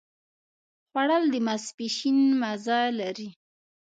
خوړل د ماسپښين مزه لري